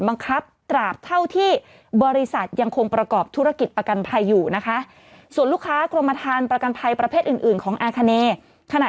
มาทานประกันภัยประเภทอื่นของอาคารเนตรา